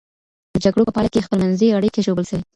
د جګړو په پایله کي خپلمنځي اړيکې ژوبل سوې.